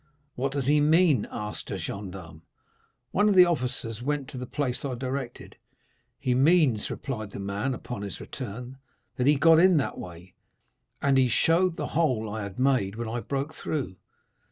"'What does he mean?' asked a gendarme. "One of the officers went to the place I directed. "'He means,' replied the man upon his return, 'that he got in that way;' and he showed the hole I had made when I broke through.